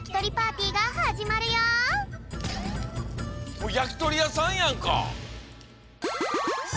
このあとやきとりやさんやんか！